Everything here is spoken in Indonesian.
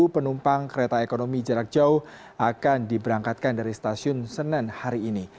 dua puluh enam penumpang kereta ekonomi jarak jauh akan diberangkatkan dari stasiun senan hari ini